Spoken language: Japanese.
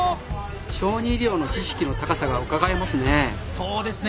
小児医療の知識の高さがうかがえますね。